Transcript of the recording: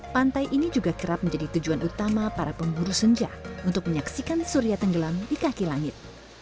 pantai ini juga kerap menjadi tujuan utama para pemburu senja untuk menyaksikan surya tenggelam di kaki langit